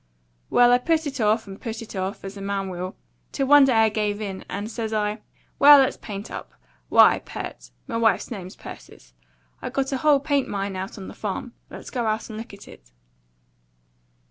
Well, I put it off, and PUT it off, as a man will, till one day I give in, and says I, 'Well, let's paint up. Why, Pert,' m'wife's name's Persis, 'I've got a whole paint mine out on the farm. Let's go out and look at it.'